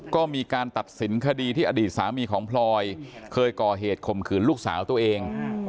ก็มีการตัดสินคดีที่อดีตสามีของพลอยเคยก่อเหตุข่มขืนลูกสาวตัวเอง